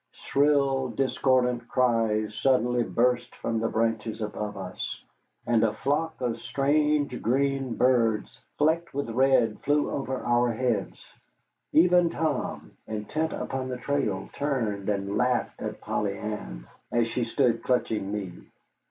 Shrill, discordant cries suddenly burst from the branches above us, and a flock of strange, green birds flecked with red flew over our heads. Even Tom, intent upon the trail, turned and laughed at Polly Ann as she stood clutching me.